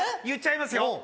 言っちゃいますよ！